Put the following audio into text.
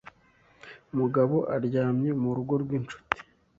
Mugabo aryamye mu rugo rw'inshuti.